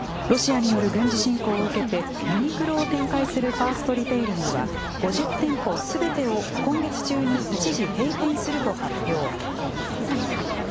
ロシアによる軍事侵攻を受けてユニクロを展開するファーストリテイリングは５０店舗すべてを今月中に一時閉店すると発表。